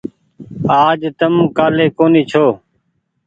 آج تم ڪآلي ڪونيٚ ڇو ۔